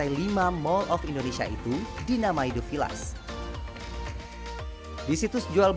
iya ini rumah di atas mal